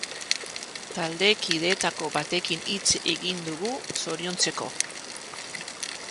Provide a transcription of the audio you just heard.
Taldekideetako batekin hitz egin dug zoriontzeko.